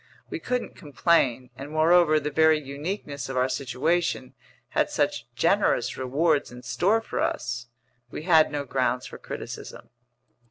We couldn't complain, and moreover the very uniqueness of our situation had such generous rewards in store for us, we had no grounds for criticism.